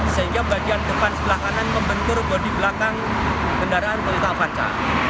sehingga bagian depan sebelah kanan membentur bodi belakang kendaraan botol avanca